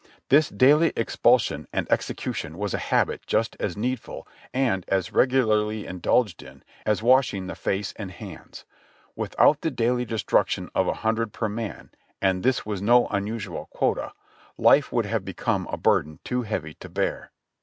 This daily expulsion and exe cution was a habit just as needful, and as regularly indulged in, as washing the face and hands ; without the daily destruction of a hundred per man (and this was no unusual quota) life would have become a burden too heavy to bear.